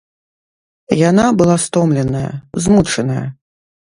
Яна была стомленая, змучаная.